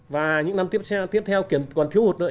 và những năm tiếp theo còn thiếu hụt nữa